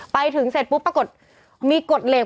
ไปถึงเสร็จปุ๊บปรากฏมีกฎเหล็ก